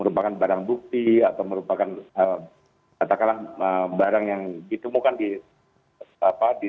yang ditemukan di